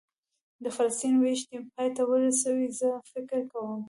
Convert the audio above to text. د فلسطین وېش دې پای ته ورسوي، زه فکر کوم.